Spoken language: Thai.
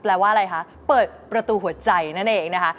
แปลว่าอะไรคะเปิดประตูหัวใจนั่นเองนะคะ